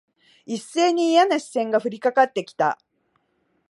一斉にいやな視線が降りかかって来た。